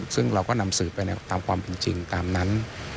ซึ่งเราก็นำสืบไปตามความเป็นจริงตามนั้น